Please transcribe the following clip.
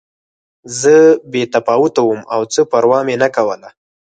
زه بې تفاوته وم او څه پروا مې نه کوله